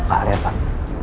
pak lihat pak